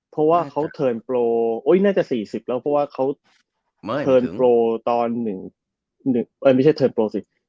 เพราะว่าเขาเทิร์นโปรน่าจะ๔๐แล้วเพราะว่าเขาเทิร์นโปรตอน๑ไม่ใช่เทิร์นโปรสิ